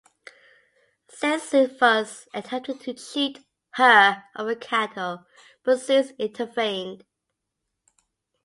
Sisyphus attempted to cheat her of her cattle, but Zeus intervened.